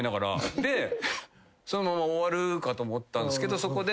でそのまま終わるかと思ったんですけどそこで。